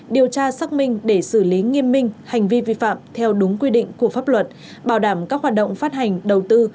điều tra xác minh để xử lý nghiêm minh hành vi vi phạm theo đúng quy định của pháp luật bảo đảm các hoạt động phát hành đầu tư